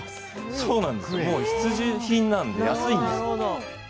必需品なので、安いんです。